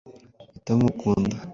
Hitamo igitabo kimwe ukunda.